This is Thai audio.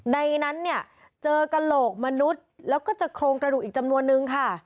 ในนั้นเนี่ยเจอกระโหลกมนุษย์แล้วก็เจอโครงกระดูกอีกจำนวนนึงค่ะ